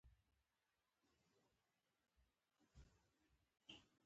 دا نومونه پخوا د وینز د اشرافو په ډله کې نه وو